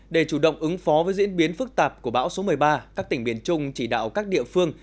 để chủ động ứng phó với diễn biến phức tạp của bão số một mươi ba các tỉnh biển trung chỉ đạo các địa phương